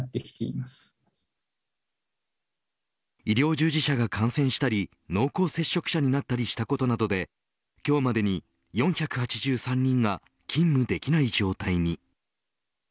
医療従事者が感染したり濃厚接触者になったりしたことなどで今日までに４８３人が勤務できない状態に。